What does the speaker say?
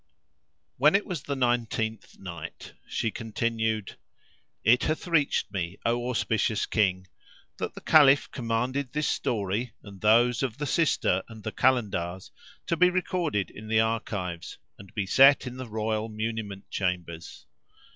When it was the Nineteenth Night, She continued, It hath reached me, O auspicious King, that the Caliph commanded this story and those of the sister and the Kalandars to be recorded in the archives and be set in the royal muniment chambers.